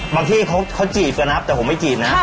ที่เขาจีบกันนะครับแต่ผมไม่จีบนะ